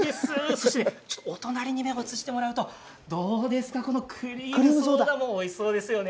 そしてお隣に映してもらうとどうですかこのクリームソーダもおいしそうですよね。